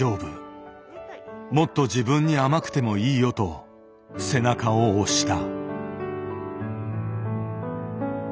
もっと自分に甘くてもいいよと背中を押した。